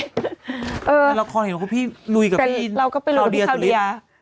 เออนั่นละครเห็นพี่ลุยกับพี่คาวเดียสุริทธิ์